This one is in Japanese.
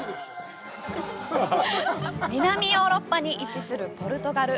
南ヨーロッパに位置するポルトガル。